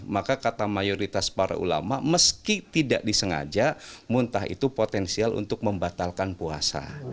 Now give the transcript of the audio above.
maka kata mayoritas para ulama meski tidak disengaja muntah itu potensial untuk membatalkan puasa